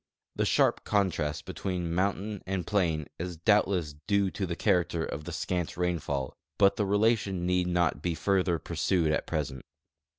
The sharp contrast between mountain and plain is doubtless due to the character of the scant rainfall; but the relation need not he further pursued at present.